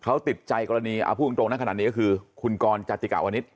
เขาติดใจกรณีอภูมิตรงนั้นขนาดนี้ก็คือคุณกรจัตริกาวณิศ